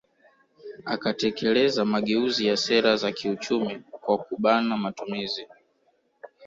Akatekeleza mageuzi ya sera za kiuchumi kwa kubana matumizi